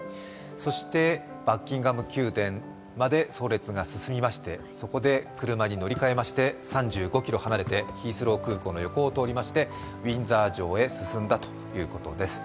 そしてバッキンガム宮殿まで葬列が進みましてそこで車に乗り換えまして、３５ｋｍ離れて、ヒースロー空港の横を通りまして、ウィンザー城へ進んだということです。